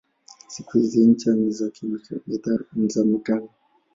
Siku hizi ncha ni za metali.